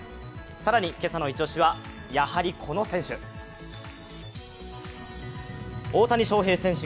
更に今朝のイチ押しは、やはりこの選手。